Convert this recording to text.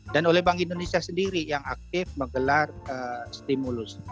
dan oleh bank indonesia sendiri yang aktif menggelar stimulus